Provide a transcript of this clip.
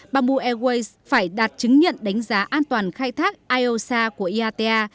bamboo airways phải đạt chứng nhận đánh giá an toàn khai thác iosa của iata